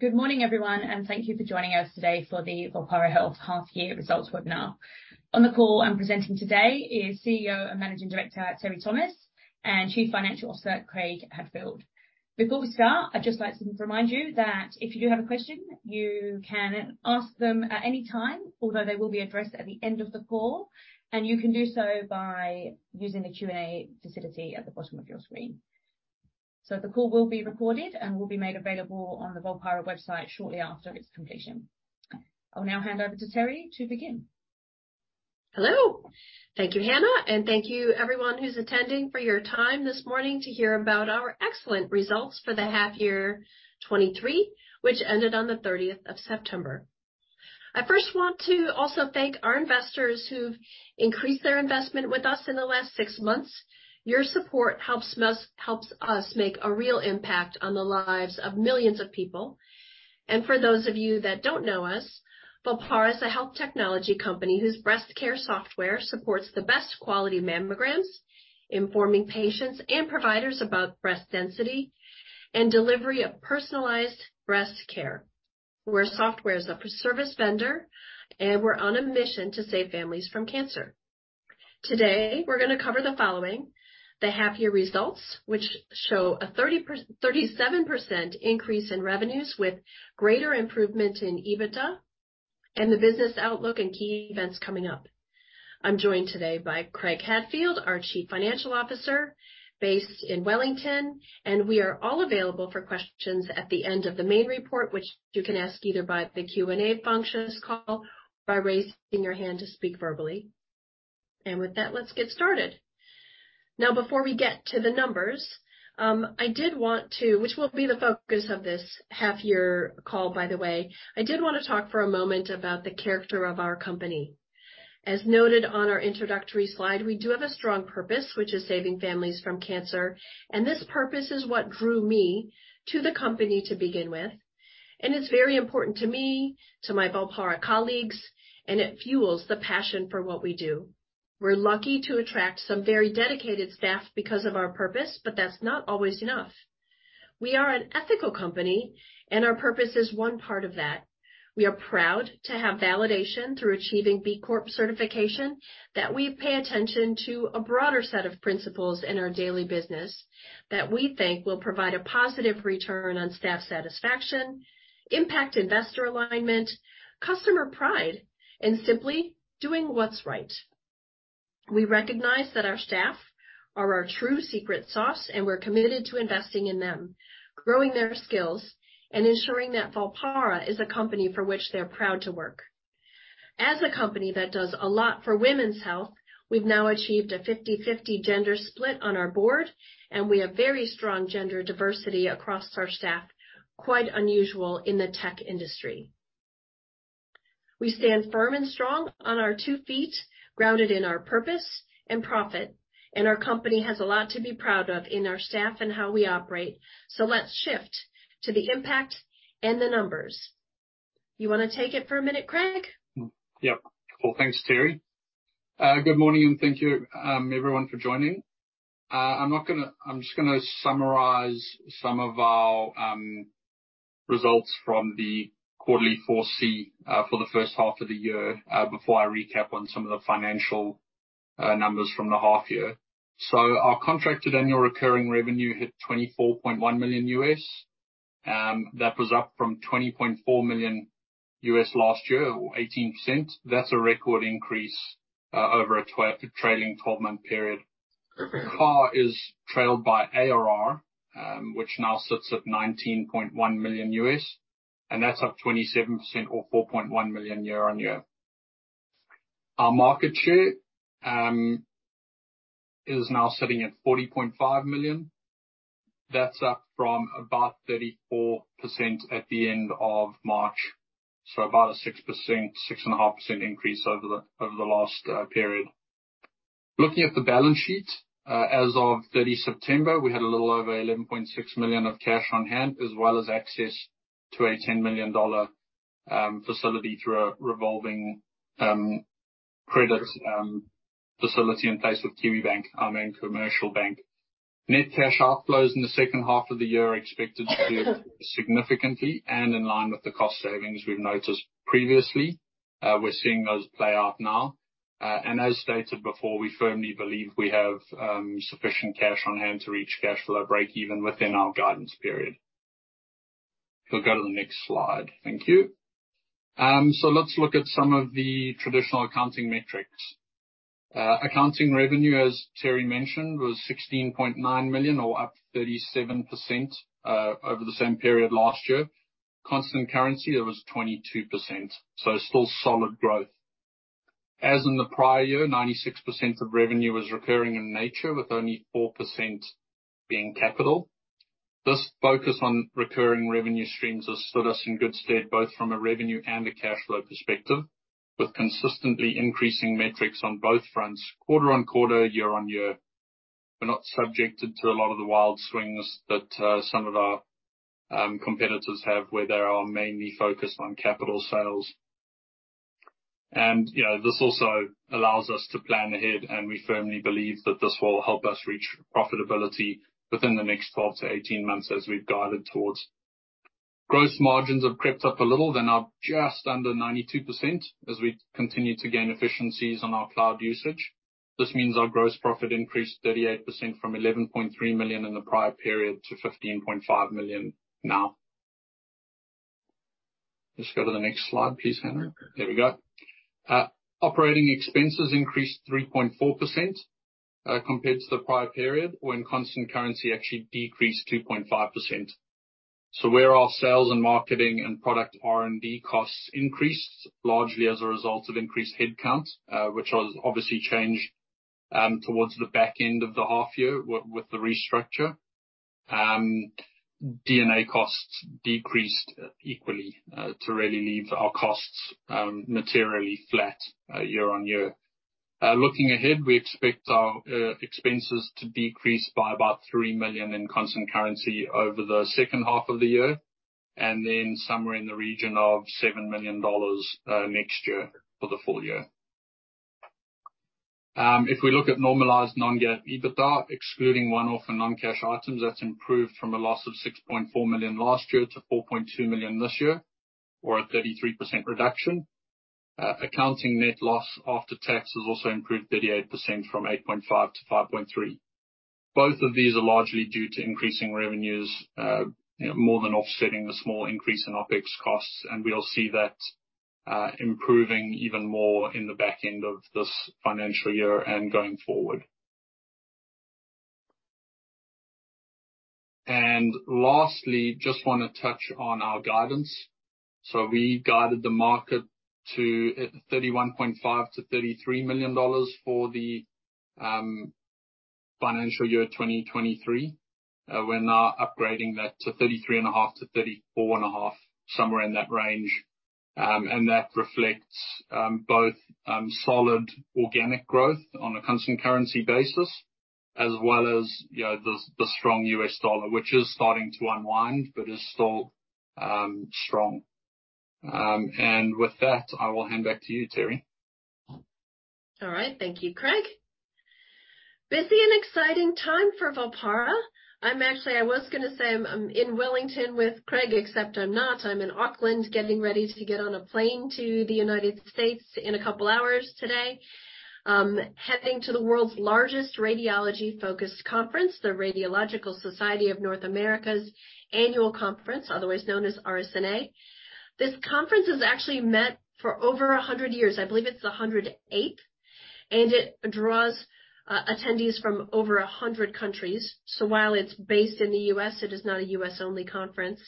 Good morning, everyone, and thank you for joining us today for the Volpara Health half year results webinar. On the call and presenting today is CEO and Managing Director, Teri Thomas, and Chief Financial Officer, Craig Hadfield. Before we start, I'd just like to remind you that if you do have a question, you can ask them at any time, although they will be addressed at the end of the call, and you can do so by using the Q&A facility at the bottom of your screen. The call will be recorded and will be made available on the Volpara website shortly after its completion. I'll now hand over to Teri to begin. Hello. Thank you, Hannah, and thank you everyone who's attending for your time this morning to hear about our excellent results for the half year FY23, which ended on the 30th of September. I first want to also thank our investors who've increased their investment with us in the last six months. Your support helps us make a real impact on the lives of millions of people. For those of you that don't know us, Volpara is a health technology company whose breast care software supports the best quality mammograms, informing patients and providers about breast density and delivery of personalized breast care. We're a software as a service vendor. We're on a mission to save families from cancer. Today, we're gonna cover the following: the half year results, which show a 37% increase in revenues with greater improvement in EBITDA and the business outlook and key events coming up. I'm joined today by Craig Hadfield, our Chief Financial Officer, based in Wellington. We are all available for questions at the end of the main report, which you can ask either by the Q&A function of this call or by raising your hand to speak verbally. With that, let's get started. Now, before we get to the numbers. Which will be the focus of this half year call, by the way. I did wanna talk for a moment about the character of our company. As noted on our introductory slide, we do have a strong purpose, which is saving families from cancer, and this purpose is what drew me to the company to begin with. It's very important to me, to my Volpara colleagues, and it fuels the passion for what we do. We're lucky to attract some very dedicated staff because of our purpose, but that's not always enough. We are an ethical company, and our purpose is one part of that. We are proud to have validation through achieving B Corp certification, that we pay attention to a broader set of principles in our daily business that we think will provide a positive return on staff satisfaction, impact investor alignment, customer pride, and simply doing what's right. We recognize that our staff are our true secret sauce, we're committed to investing in them, growing their skills, and ensuring that Volpara is a company for which they're proud to work. As a company that does a lot for women's health, we've now achieved a 50/50 gender split on our board, we have very strong gender diversity across our staff, quite unusual in the tech industry. We stand firm and strong on our two feet, grounded in our purpose and profit, our company has a lot to be proud of in our staff and how we operate. Let's shift to the impact and the numbers. You wanna take it for a minute, Craig? Yep. Cool. Thanks, Teri. Good morning. Thank you, everyone for joining. I'm just gonna summarize some of our results from the quarterly 4C for the first half of the year before I recap on some of the financial numbers from the half year. Our Contracted Annual Recurring Revenue hit $24.1 million. That was up from $20.4 million last year or 18%. That's a record increase over a trailing 12-month period. CAR is trailed by ARR, which now sits at $19.1 million, and that's up 27% or $4.1 million year-on-year. Our market share is now sitting at $40.5 million. That's up from about 34% at the end of March, about a 6%, 6.5% increase over the last period. Looking at the balance sheet, as of 30 September, we had a little over 11.6 million of cash on hand, as well as access to a 10 million dollar facility through a revolving credit facility in place with Kiwibank, our main commercial bank. Net cash outflows in the second half of the year are expected to be up significantly and in line with the cost savings we've noticed previously. We're seeing those play out now. As stated before, we firmly believe we have sufficient cash on hand to reach cash flow break even within our guidance period. If you'll go to the next slide. Thank you. Let's look at some of the traditional accounting metrics. Accounting revenue, as Teri mentioned, was 16.9 million or up 37% over the same period last year. Constant currency, it was 22%, still solid growth. As in the prior year, 96% of revenue was recurring in nature, with only 4% being capital. This focus on recurring revenue streams has stood us in good stead, both from a revenue and a cash flow perspective, with consistently increasing metrics on both fronts quarter on quarter, year on year. We're not subjected to a lot of the wild swings that some of our competitors have, where they are mainly focused on capital sales. You know, this also allows us to plan ahead, and we firmly believe that this will help us reach profitability within the next 12 to 18 months as we've guided towards. Gross margins have crept up a little. They're now just under 92% as we continue to gain efficiencies on our cloud usage. This means our gross profit increased 38% from 11.3 million in the prior period to 15.5 million now. Let's go to the next slide, please, Henry. There we go. Operating expenses increased 3.4% compared to the prior period. When constant currency actually decreased 2.5%. Where our sales and marketing and product R&D costs increased, largely as a result of increased headcount, which has obviously changed towards the back end of the half year with the restructure. D&A costs decreased equally to really leave our costs materially flat year-on-year. Looking ahead, we expect our expenses to decrease by about 3 million in constant currency over the second half of the year, and then somewhere in the region of 7 million dollars next year for the full year. If we look at normalized non-GAAP EBITDA, excluding one-off and non-cash items, that's improved from a loss of 6.4 million last year to 4.2 million this year, or a 33% reduction. Accounting net loss after tax has also improved 38% from 8.5 to 5.3. Both of these are largely due to increasing revenues, you know, more than offsetting the small increase in OpEx costs. We'll see that improving even more in the back end of this financial year and going forward. Lastly, just wanna touch on our guidance. We guided the market to 31.5 million-33 million dollars for the financial year 2023. We're now upgrading that to 33.5 million-34.5 million, somewhere in that range. That reflects both solid organic growth on a constant currency basis, as well as, you know, the strong US dollar, which is starting to unwind but is still strong. With that, I will hand back to you, Teri. All right. Thank you, Craig. Busy and exciting time for Volpara. I'm in Wellington with Craig, except I'm not. I'm in Auckland, getting ready to get on a plane to the United States in 2 hours today, heading to the world's largest radiology-focused conference, the Radiological Society of North America's annual conference, otherwise known as RSNA. This conference has actually met for over 100 years. I believe it's the 108th. It draws attendees from over 100 countries. While it's based in the U.S., it is not a U.S.-only conference.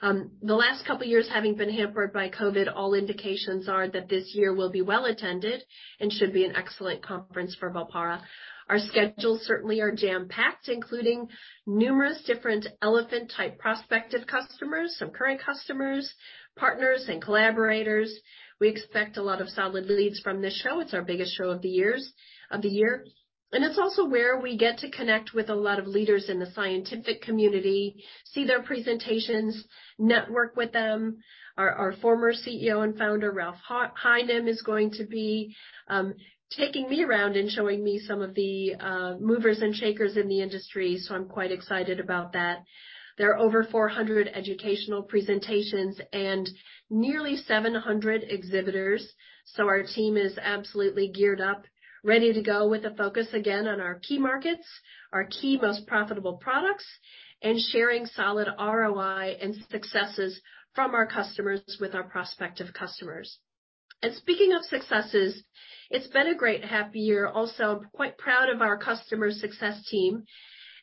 The last 2 years having been hampered by COVID, all indications are that this year will be well-attended and should be an excellent conference for Volpara. Our schedules certainly are jam-packed, including numerous different elephant-type prospective customers, some current customers, partners, and collaborators. We expect a lot of solid leads from this show. It's our biggest show of the year. It's also where we get to connect with a lot of leaders in the scientific community, see their presentations, network with them. Our former CEO and founder, Ralph Highnam, is going to be taking me around and showing me some of the movers and shakers in the industry, so I'm quite excited about that. There are over 400 educational presentations and nearly 700 exhibitors. Our team is absolutely geared up, ready to go with a focus again on our key markets, our key most profitable products, and sharing solid ROI and successes from our customers with our prospective customers. Speaking of successes, it's been a great half year. Also, I'm quite proud of our customer success team.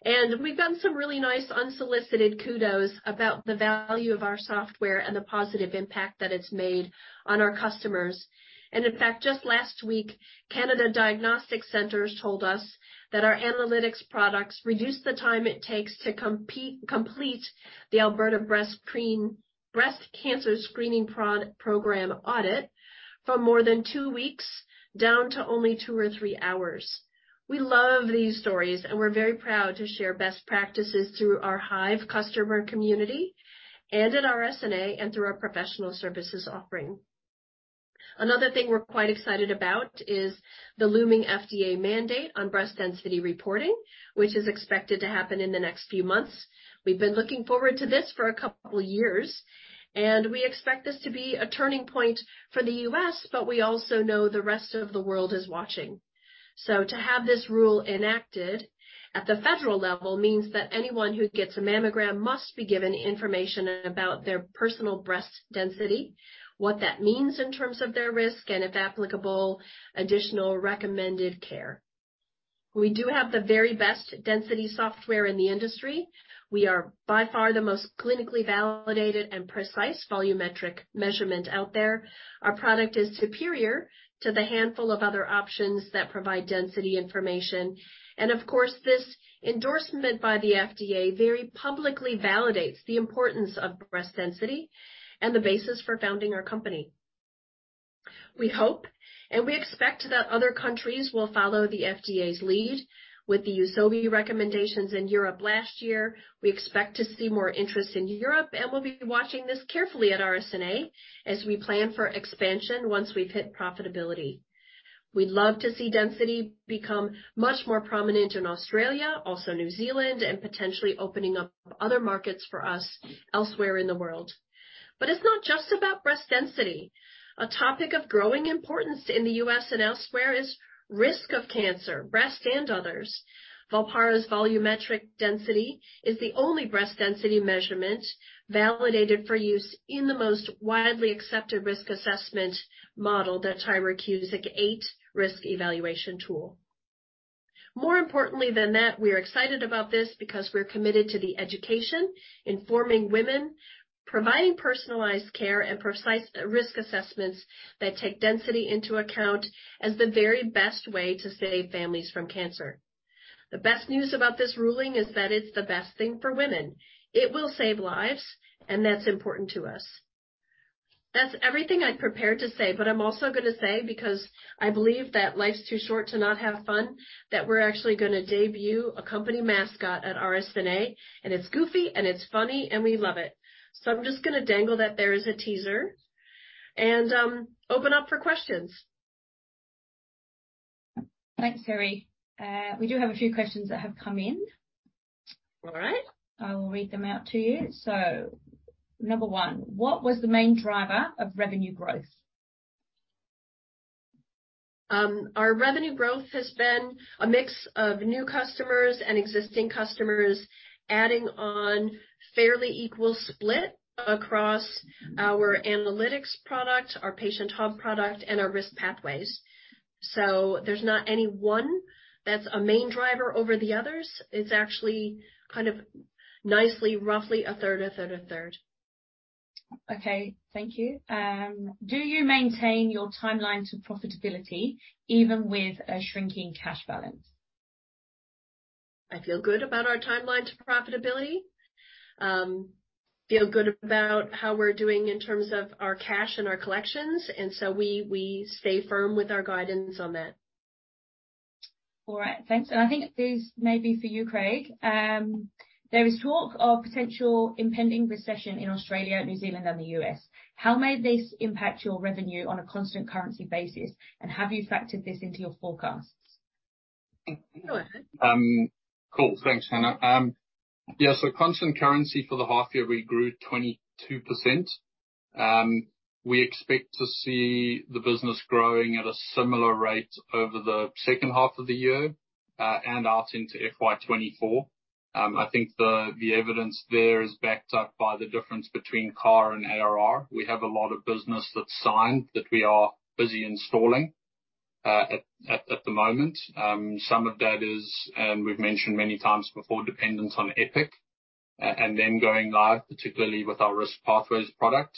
We've gotten some really nice unsolicited kudos about the value of our software and the positive impact that it's made on our customers. In fact, just last week, Canada Diagnostic Centres told us that our analytics products reduced the time it takes to complete the Alberta Breast Cancer Screening Program audit from more than two weeks down to only two or three hours. We love these stories, and we're very proud to share best practices through our Hive customer community and at RSNA and through our professional services offering. Another thing we're quite excited about is the looming FDA mandate on breast density reporting, which is expected to happen in the next few months. We've been looking forward to this for a couple years. We expect this to be a turning point for the U.S. We also know the rest of the world is watching. To have this rule enacted at the federal level means that anyone who gets a mammogram must be given information about their personal breast density, what that means in terms of their risk, and if applicable, additional recommended care. We do have the very best density software in the industry. We are by far the most clinically validated and precise volumetric measurement out there. Our product is superior to the handful of other options that provide density information. Of course, this endorsement by the FDA very publicly validates the importance of breast density and the basis for founding our company. We expect that other countries will follow the FDA's lead with the EUSOBI recommendations in Europe last year. We expect to see more interest in Europe, and we'll be watching this carefully at RSNA as we plan for expansion once we've hit profitability. We'd love to see density become much more prominent in Australia, also New Zealand, and potentially opening up other markets for us elsewhere in the world. It's not just about breast density. A topic of growing importance in the U.S. and elsewhere is risk of cancer, breast and others. Volpara's volumetric density is the only breast density measurement validated for use in the most widely accepted risk assessment model, the Tyrer-Cuzick 8 risk evaluation tool. More importantly than that, we are excited about this because we're committed to the education, informing women, providing personalized care and precise risk assessments that take density into account, as the very best way to save families from cancer. The best news about this ruling is that it's the best thing for women. It will save lives, and that's important to us. That's everything I prepared to say, but I'm also gonna say, because I believe that life's too short to not have fun, that we're actually gonna debut a company mascot at RSNA, and it's goofy and it's funny, and we love it. I'm just gonna dangle that there as a teaser and open up for questions. Thanks, Teri. We do have a few questions that have come in. All right. I will read them out to you. Number one, what was the main driver of revenue growth? Our revenue growth has been a mix of new customers and existing customers adding on fairly equal split across our Volpara Analytics product, our Patient Hub product and our Risk Pathways. There's not any one that's a main driver over the others. It's actually kind of nicely, roughly a third, a third, a third. Okay. Thank you. Do you maintain your timeline to profitability even with a shrinking cash balance? I feel good about our timeline to profitability. feel good about how we're doing in terms of our cash and our collections, and so we stay firm with our guidance on that. All right. Thanks. I think this may be for you, Craig. There is talk of potential impending recession in Australia, New Zealand and the U.S. How may this impact your revenue on a constant currency basis, and have you factored this into your forecasts? Go ahead. Cool. Thanks, Hannah. Constant currency for the half year, we grew 22%. We expect to see the business growing at a similar rate over the second half of the year and out into FY24. I think the evidence there is backed up by the difference between CAR and ARR. We have a lot of business that's signed that we are busy installing at the moment. Some of that is, and we've mentioned many times before, dependent on Epic and them going live, particularly with our Risk Pathways product.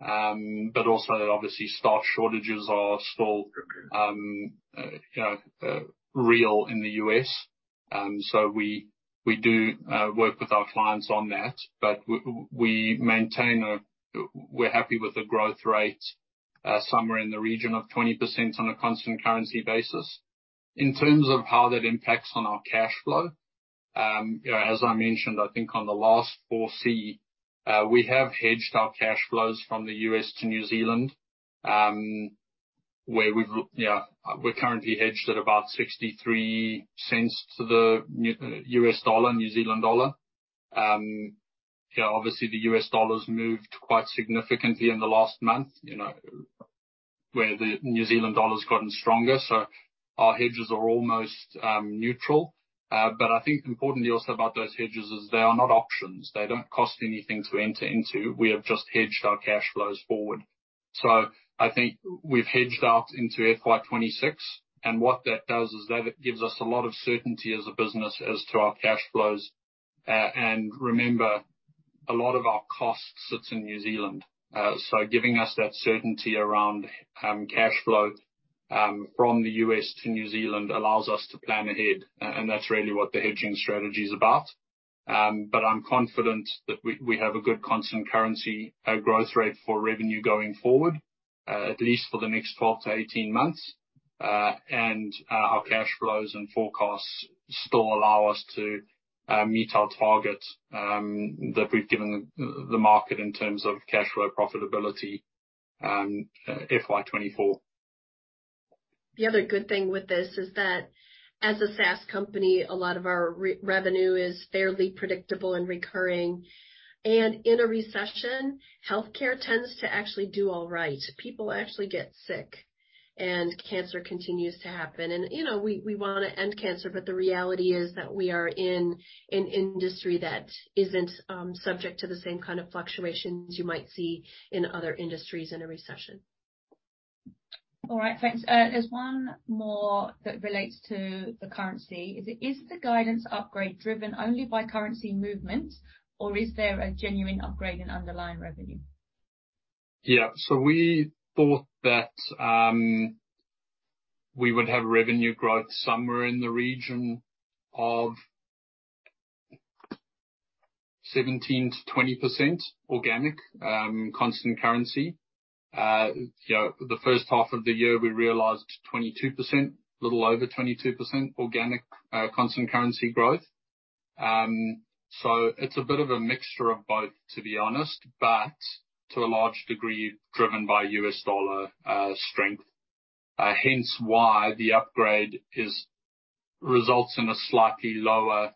Also, obviously, staff shortages are still, you know, real in the U.S., so we do work with our clients on that. We're happy with the growth rate, somewhere in the region of 20% on a constant currency basis. In terms of how that impacts on our cash flow, you know, as I mentioned, I think on the last 4C, we have hedged our cash flows from the US to New Zealand, where we've, you know, we're currently hedged at about 0.63 to the US dollar, New Zealand dollar. You know, obviously the US dollar's moved quite significantly in the last month, you know, where the New Zealand dollar's gotten stronger, so our hedges are almost neutral. I think importantly also about those hedges is they are not options. They don't cost anything to enter into. We have just hedged our cash flows forward. I think we've hedged out into FY26, what that does is that it gives us a lot of certainty as a business as to our cash flows. Remember, a lot of our cost sits in New Zealand. Giving us that certainty around cash flow from the U.S. to New Zealand allows us to plan ahead, and that's really what the hedging strategy is about. I'm confident that we have a good constant currency growth rate for revenue going forward, at least for the next 12 to 18 months. Our cash flows and forecasts still allow us to meet our targets that we've given the market in terms of cash flow profitability in FY24. The other good thing with this is that as a SaaS company, a lot of our re-revenue is fairly predictable and recurring. In a recession, healthcare tends to actually do all right. People actually get sick, and cancer continues to happen. You know, we wanna end cancer, but the reality is that we are in an industry that isn't subject to the same kind of fluctuations you might see in other industries in a recession. All right. Thanks. There's one more that relates to the currency. Is the guidance upgrade driven only by currency movement, or is there a genuine upgrade in underlying revenue? Yeah. We thought that we would have revenue growth somewhere in the region of 17%-20% organic, constant currency. You know, the first half of the year, we realized 22%, a little over 22% organic, constant currency growth. It's a bit of a mixture of both, to be honest, but to a large degree, driven by US dollar strength. Hence why the upgrade results in a slightly lower,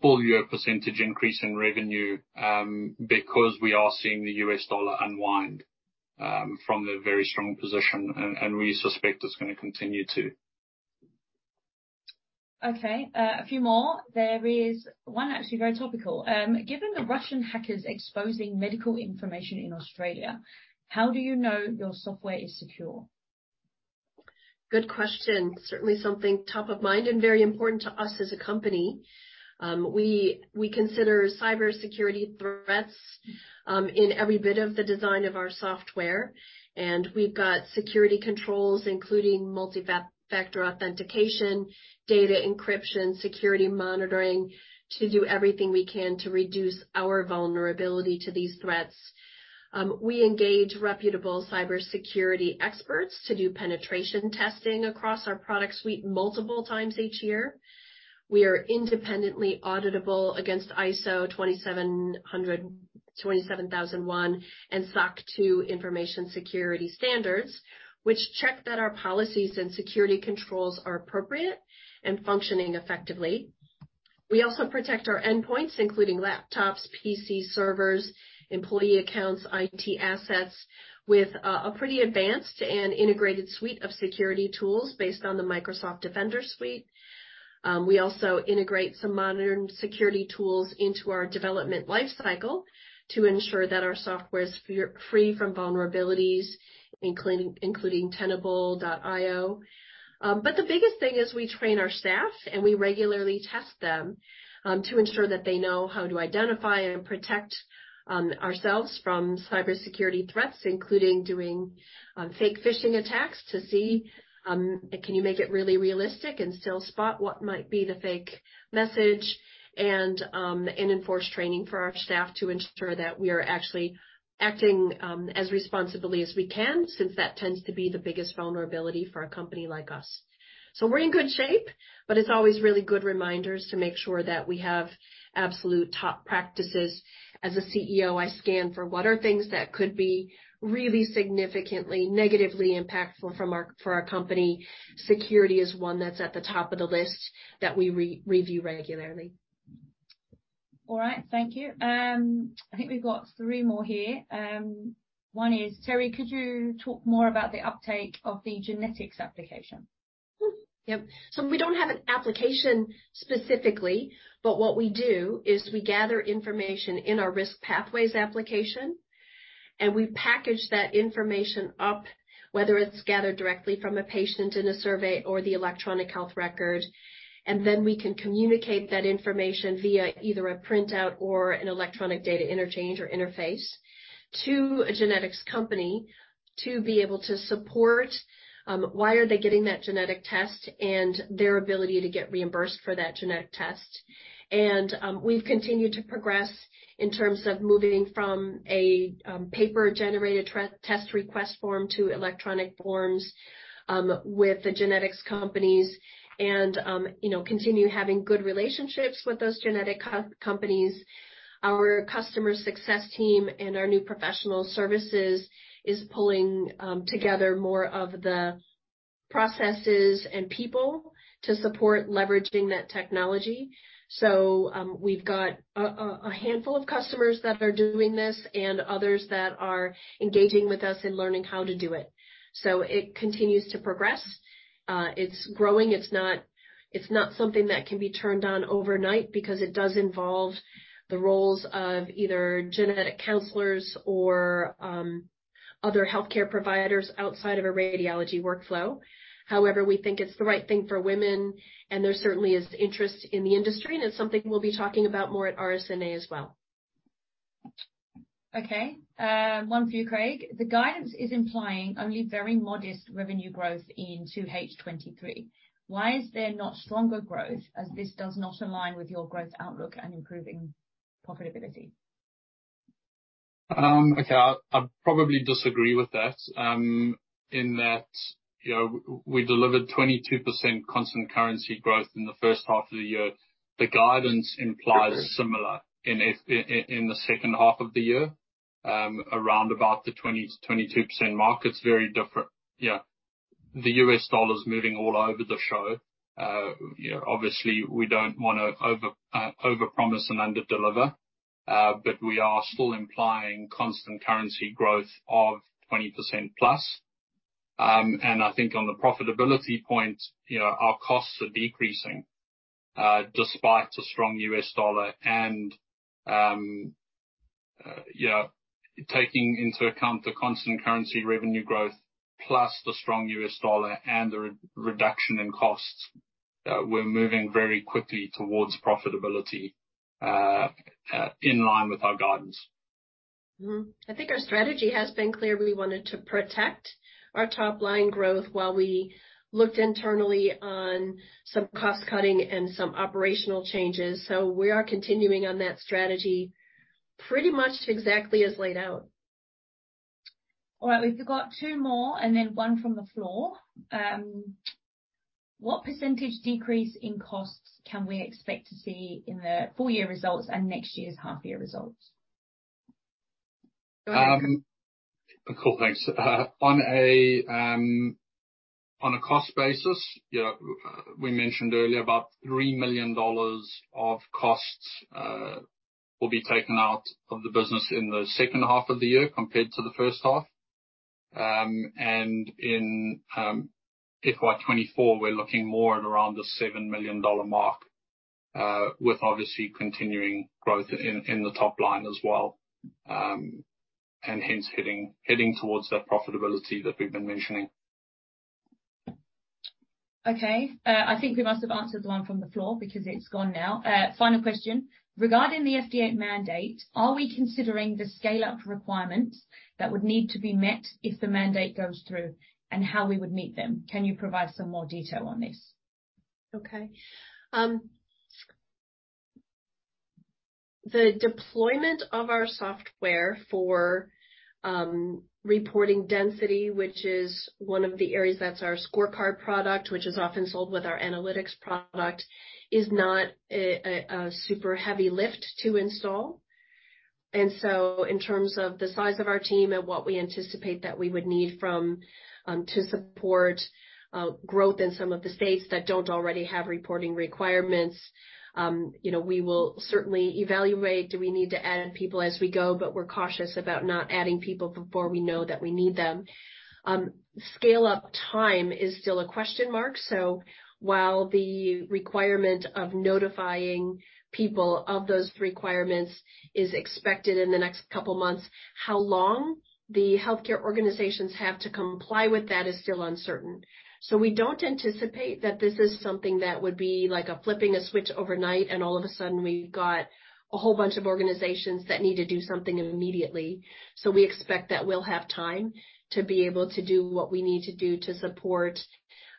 full year percentage increase in revenue, because we are seeing the US dollar unwind from the very strong position, and we suspect it's gonna continue to. A few more. There is one actually very topical. Given the Russian hackers exposing medical information in Australia, how do you know your software is secure? Good question. Certainly something top of mind and very important to us as a company. We consider cybersecurity threats in every bit of the design of our software, and we've got security controls, including multi-factor authentication, data encryption, security monitoring, to do everything we can to reduce our vulnerability to these threats. We engage reputable cybersecurity experts to do penetration testing across our product suite multiple times each year. We are independently auditable against ISO 27001 and SOC 2 information security standards, which check that our policies and security controls are appropriate and functioning effectively. We also protect our endpoints, including laptops, PC servers, employee accounts, IT assets, with a pretty advanced and integrated suite of security tools based on the Microsoft Defender suite. We also integrate some modern security tools into our development life cycle to ensure that our software is free from vulnerabilities, including Tenable.io. The biggest thing is we train our staff, and we regularly test them to ensure that they know how to identify and protect ourselves from cybersecurity threats, including doing fake phishing attacks to see, can you make it really realistic and still spot what might be the fake message and enforce training for our staff to ensure that we are actually acting as responsibly as we can, since that tends to be the biggest vulnerability for a company like us. We're in good shape, but it's always really good reminders to make sure that we have absolute top practices. As a CEO, I scan for what are things that could be really significantly negatively impactful for our company. Security is one that's at the top of the list that we re-review regularly. All right. Thank you. I think we've got three more here. One is, Teri, could you talk more about the uptake of the genetics application? Yep. We don't have an application specifically, but what we do is we gather information in our Risk Pathways application, and we package that information up, whether it's gathered directly from a patient in a survey or the electronic health record, and then we can communicate that information via either a printout or an electronic data interchange or interface to a genetics company to be able to support why are they getting that genetic test and their ability to get reimbursed for that genetic test. We've continued to progress in terms of moving from a paper-generated test request form to electronic forms with the genetics companies and, you know, continue having good relationships with those genetic companies. Our customer success team and our new professional services is pulling together more of the processes and people to support leveraging that technology. We've got a handful of customers that are doing this and others that are engaging with us and learning how to do it. It continues to progress. It's growing. It's not something that can be turned on overnight because it does involve the roles of either genetic counselors or other healthcare providers outside of a radiology workflow. However, we think it's the right thing for women, and there certainly is interest in the industry, and it's something we'll be talking about more at RSNA as well. Okay. one for you, Craig. The guidance is implying only very modest revenue growth in 2H 2023. Why is there not stronger growth, as this does not align with your growth outlook and improving profitability? Okay. I probably disagree with that, in that, you know, we delivered 22% constant currency growth in the first half of the year. The guidance implies similar in the second half of the year, around about the 20%-22% mark. It's very different. The US dollar is moving all over the show. You know, obviously we don't wanna overpromise and underdeliver, but we are still implying constant currency growth of 20%+. I think on the profitability point, you know, our costs are decreasing, despite the strong US dollar and, you know, taking into account the constant currency revenue growth, plus the strong US dollar and the re-reduction in costs, we're moving very quickly towards profitability, in line with our guidance. I think our strategy has been clear. We wanted to protect our top line growth while we looked internally on some cost-cutting and some operational changes. We are continuing on that strategy pretty much exactly as laid out. All right. We've got two more, and then one from the floor. What % decrease in costs can we expect to see in the full year results and next year's half year results? Go ahead, Craig. Cool, thanks. On a cost basis, you know, we mentioned earlier about 3 million dollars of costs will be taken out of the business in the second half of the year compared to the first half. In FY24, we're looking more at around the 7 million dollar mark with obviously continuing growth in the top line as well, hence heading towards that profitability that we've been mentioning. Okay. I think we must have answered the one from the floor because it's gone now. Final question. Regarding the FDA mandate, are we considering the scale-up requirements that would need to be met if the mandate goes through and how we would meet them? Can you provide some more detail on this? Okay. The deployment of our software for reporting density, which is one of the areas that's our Scorecard product, which is often sold with our Analytics product, is not a super heavy lift to install. In terms of the size of our team and what we anticipate that we would need from to support growth in some of the states that don't already have reporting requirements, you know, we will certainly evaluate, do we need to add people as we go, but we're cautious about not adding people before we know that we need them. Scale-up time is still a question mark, while the requirement of notifying people of those requirements is expected in the next couple of months, how long the healthcare organizations have to comply with that is still uncertain. We don't anticipate that this is something that would be like a flipping a switch overnight, and all of a sudden we've got a whole bunch of organizations that need to do something immediately. We expect that we'll have time to be able to do what we need to do to support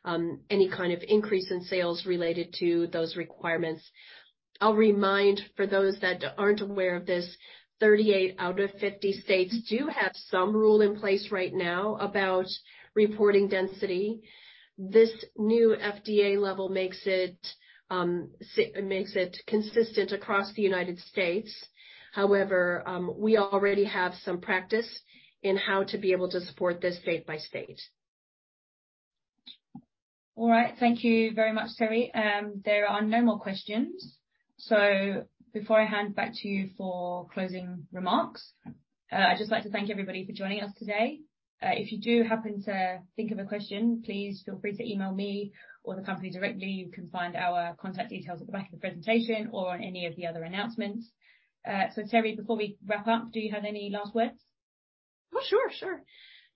any kind of increase in sales related to those requirements. I'll remind, for those that aren't aware of this, 38 out of 50 states do have some rule in place right now about reporting density. This new FDA level makes it consistent across the United States. We already have some practice in how to be able to support this state by state. All right. Thank you very much, Teri. There are no more questions. Before I hand back to you for closing remarks, I'd just like to thank everybody for joining us today. If you do happen to think of a question, please feel free to email me or the company directly. You can find our contact details at the back of the presentation or on any of the other announcements. Teri, before we wrap up, do you have any last words? Sure.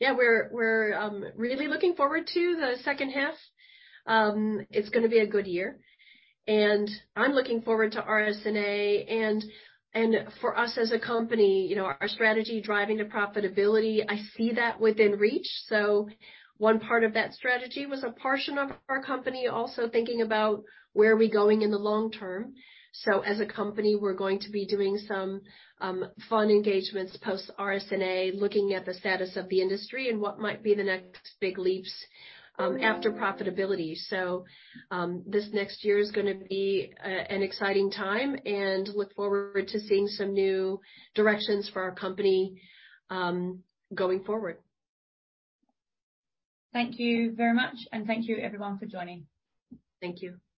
We're really looking forward to the second half. It's going to be a good year, and I'm looking forward to RSNA and for us as a company, you know, our strategy driving to profitability, I see that within reach. One part of that strategy was a portion of our company also thinking about where are we going in the long-term. As a company, we're going to be doing some fun engagements post-RSNA, looking at the status of the industry and what might be the next big leaps after profitability. This next year is going to be an exciting time and look forward to seeing some new directions for our company going forward. Thank you very much, and thank you everyone for joining. Thank you.